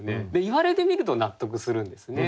言われてみると納得するんですね。